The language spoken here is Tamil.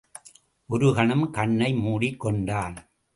ஒரு கணம் கண்ணை மூடிக்கொண்டான்.